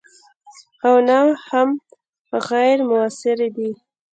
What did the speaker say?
او نه هم غیر موثرې دي.